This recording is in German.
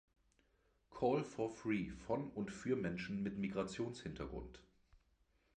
„Call for free“ von und für Menschen mit Migrationshintergrund.